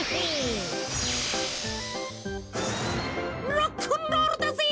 ロックンロールだぜ！